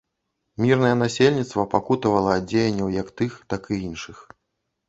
Мірнае насельніцтва пакутавала ад дзеянняў як тых, так і іншых.